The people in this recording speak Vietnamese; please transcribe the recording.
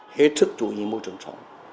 hết sức chú ý môi trường sống